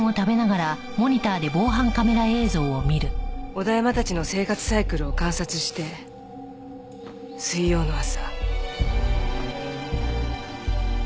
小田山たちの生活サイクルを観察して水曜の朝。